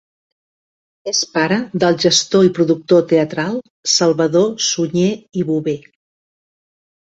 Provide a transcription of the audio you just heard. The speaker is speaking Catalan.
És pare del gestor i productor teatral Salvador Sunyer i Bover.